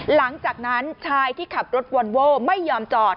หลังจากนั้นชายที่ขับรถวอนโว้ไม่ยอมจอด